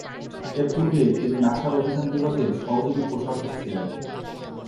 এর পূর্বে তিনি নাসার অভিযান বিভাগের সহযোগী প্রশাসক ছিলেন।